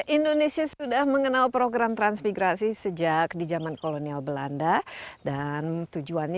indonesia sudah mengenal program transmigrasi sejak di zaman kolonial belanda dan tujuannya